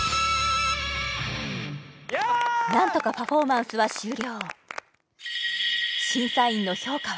なんとかパフォーマンスは終了